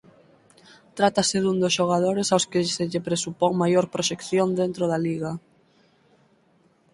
Trátase dun dos xogadores aos que se lle presupón maior proxección dentro da liga.